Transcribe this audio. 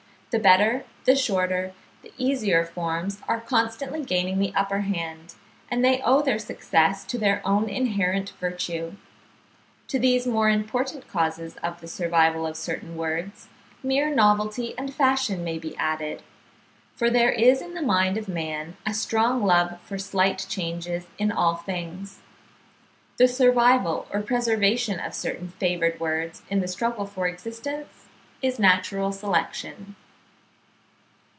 The better, the shorter, the easier forms are constantly gaining the upper hand, and they owe their success to their own inherent virtue." To these more important causes of the survival of certain words, mere novelty and fashion may be added; for there is in the mind of man a strong love for slight changes in all things. The survival or preservation of certain favoured words in the struggle for existence is natural selection.